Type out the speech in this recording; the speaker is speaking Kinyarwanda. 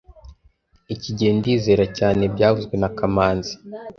Iki gihe ndizera cyane byavuzwe na kamanzi